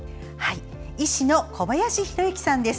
医師の小林弘幸さんです。